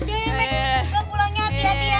udah pulangnya hati hati ya